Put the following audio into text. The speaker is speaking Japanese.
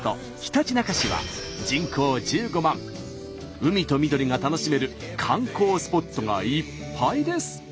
海と緑が楽しめる観光スポットがいっぱいです。